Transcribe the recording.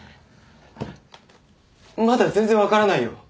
まだ全然分からないよ。